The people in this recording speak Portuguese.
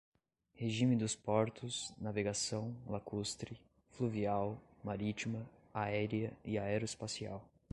regime dos portos, navegação lacustre, fluvial, marítima, aérea e aeroespacial;